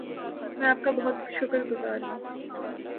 میں آپ کا بہت شکر گزار ہوں